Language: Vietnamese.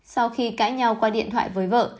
sau khi cãi nhau qua điện thoại với vợ